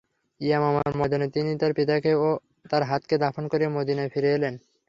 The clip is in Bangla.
ইয়ামামার ময়দানে তিনি তার পিতাকে ও তার হাতকে দাফন করে মদীনায় ফিরে এলেন।